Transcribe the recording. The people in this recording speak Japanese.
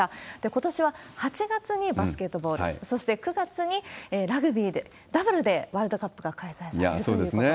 ことしは８月にバスケットボール、そして９月にラグビー、ダブルでワールドカップが開催されるそうですね。